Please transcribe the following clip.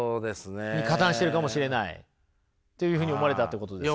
加担してるかもしれないというふうに思われたってことですか。